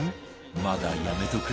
まだやめとく？